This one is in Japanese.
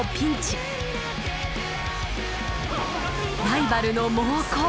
ライバルの猛攻。